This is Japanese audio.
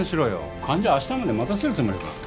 患者明日まで待たせるつもりか？